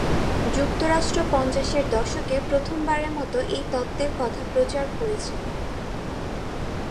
যুক্তরাষ্ট্র পঞ্চাশের দশকে প্রথমবারের মতো এই তত্ত্বের কথা প্রচার করেছিল।